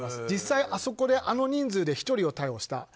実際に、あそこであの人数で１人を逮捕した。